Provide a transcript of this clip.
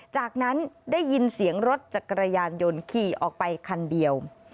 จากนั้นได้ยินเสียงรถจักรยานยนต์ขี่ออกไปคันเดียว